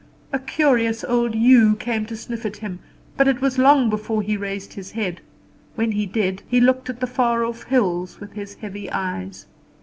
A curious old ewe came to sniff at him; but it was long before he raised his head. When he did, he looked at the far off hills with his heavy eyes.